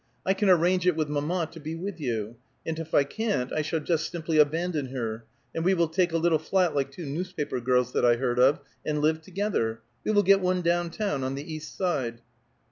I can arrange it with mamma to be with you; and if I can't I shall just simply abandon her, and we will take a little flat like two newspaper girls that I heard of, and live together. We will get one down town, on the East Side."